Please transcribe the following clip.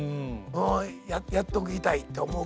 うんやっときたいって思うけど。